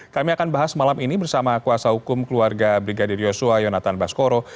kami akan bahas malam ini bersama kuasa hukum keluarga brigadir yosua yonatan baskoro